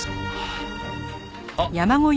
あっ！